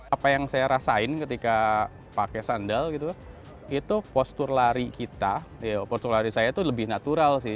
apa yang saya rasain ketika pakai sandal itu postur lari kita postur lari saya itu lebih natural sih